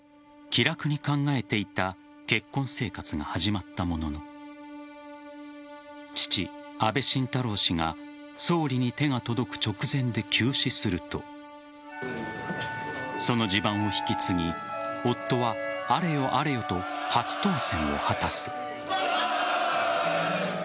気楽に考えていた結婚生活が始まったものの父・安倍晋太郎氏が総理に手が届く直前で急死するとその地盤を引き継ぎ夫はあれよあれよと初当選を果たす。